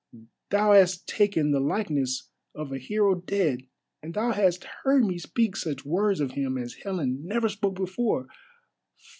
Thou hast taken the likeness of a hero dead, and thou hast heard me speak such words of him as Helen never spoke before.